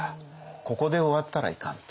ここで終わったらいかん！と。